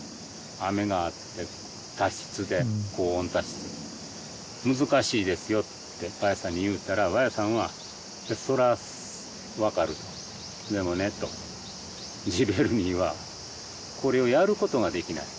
雨があって多湿で高温多湿難しいですよってヴァエさんに言うたらヴァエさんはそら分かるでもねとジヴェルニーはこれをやることができない